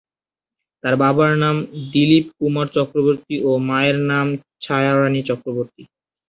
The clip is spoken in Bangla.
তার বাবার নাম দিলীপ কুমার চক্রবর্তী ও মায়ের নাম ছায়া রানী চক্রবর্তী।